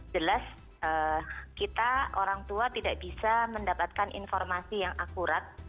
jelas kita orang tua tidak bisa mendapatkan informasi yang akurat